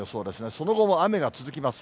その後も雨が続きます。